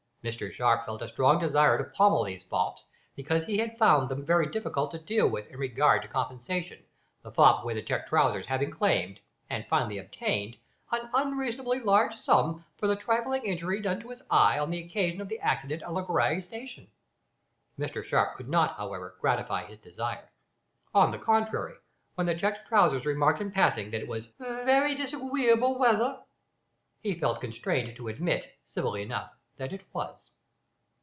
Mr Sharp felt a strong desire to pommel these fops, because he had found them very difficult to deal with in regard to compensation, the fop with the checked trousers having claimed, and finally obtained, an unreasonably large sum for the trifling injury done to his eye on the occasion of the accident at Langrye station. Mr Sharp could not however, gratify his desire. On the contrary, when the checked trousers remarked in passing that it was "vewy disagweeable weather," he felt constrained to admit, civilly enough, that it was.